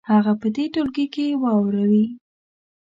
هغه دې په ټولګي کې واوروي.